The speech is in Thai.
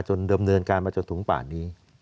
เดิมเนินการมาจนถึงป่านนี้